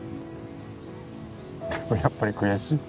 でもやっぱり悔しい